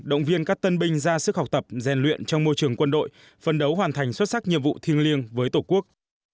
động viên các tân binh ra sức học tập rèn luyện trong môi trường quân đội phân đấu hoàn thành xuất sắc nhiệm vụ thiêng liêng với tổ quốc